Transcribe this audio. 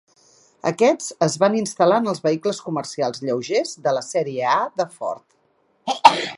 Aquests es van instal·lar en els vehicles comercials lleugers de la sèrie A de Ford.